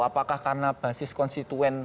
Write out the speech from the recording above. apakah karena basis konstituen